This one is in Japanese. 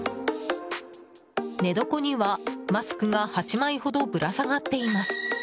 寝床には、マスクが８枚ほどぶら下がっています。